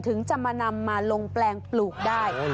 ถึงจะมานำมาลงแปลงปลูกได้